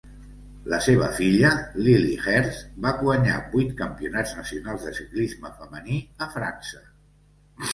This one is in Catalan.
La seva filla, Lyli Herse, va guanyar vuit campionats nacionals de ciclisme femení a França.